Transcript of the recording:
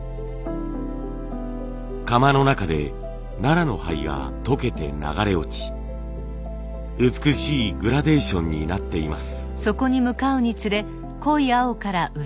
窯の中でナラの灰が溶けて流れ落ち美しいグラデーションになっています。